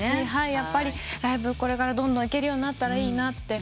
やっぱりライブこれからどんどん行けるようになったらいいなって思いますし。